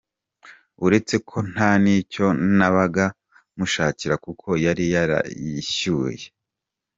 Uretse ko nta n’icyo nabaga mushakira kuko yari yarishyuye.